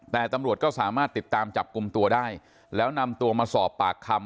แต่ตำรวจก็สามารถติดตามจับกลุ่มตัวได้แล้วนำตัวมาสอบปากคำ